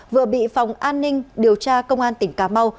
vừa bị phòng an ninh điều tra công an tỉnh cà mau